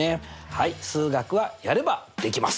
はい数学はやればできます！